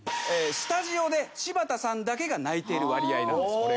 スタジオで柴田さんだけが泣いている割合なんです。